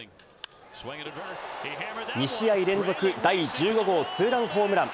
２試合連続、第１５号ツーランホームラン。